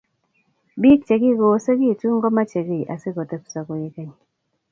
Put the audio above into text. Biik chegikoosigitu komache kiy asigo tebso keok keny---